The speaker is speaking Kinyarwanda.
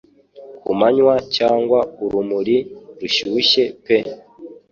Ku manywa cyangwa urumuri rushyushye pe